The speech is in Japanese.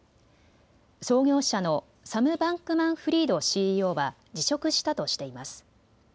創業者のサム・バンクマン・フリードＣＥＯは辞職したとしています。